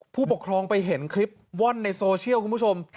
ผู้ปกครองไปเห็นคลิปว่อนในโซเชียลคุณผู้ชม